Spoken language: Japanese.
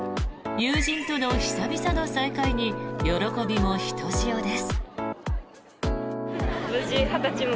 友人との久々の再会に喜びもひとしおです。